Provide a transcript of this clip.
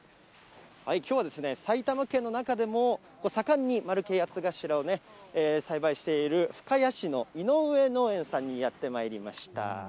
きょうは埼玉県の中でも盛んに丸系八つ頭を栽培している深谷市のいのうえ農園さんにやってまいりました。